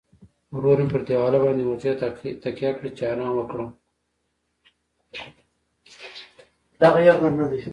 ورو مې پر دیواله باندې اوږې تکیه کړې، چې ارام وکړم.